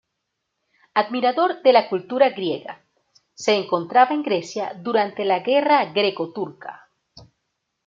Admirador de la cultura griega, se encontraba en Grecia durante la Guerra Greco-Turca.